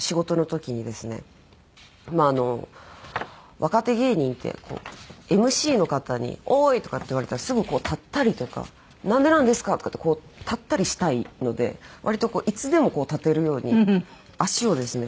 まああの若手芸人ってＭＣの方におーい！とかって言われたらすぐこう立ったりとかなんでなんですか！とかってこう立ったりしたいので割といつでも立てるように足をですね。